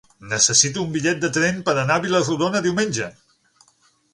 Necessito un bitllet de tren per anar a Vila-rodona diumenge.